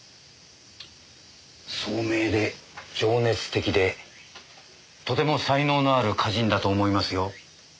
聡明で情熱的でとても才能のある歌人だと思いますよ。